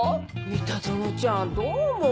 三田園ちゃんどう思う？